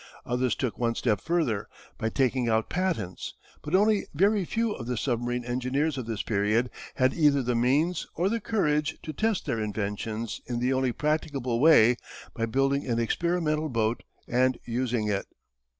Others took one step further, by taking out patents, but only very few of the submarine engineers of this period had either the means or the courage to test their inventions in the only practicable way, by building an experimental boat and using it.